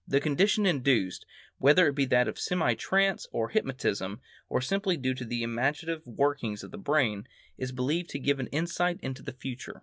The condition induced, whether it be that of semi trance, of hypnotism, or simply due to the imaginative workings of the brain, is believed to give an insight into the future.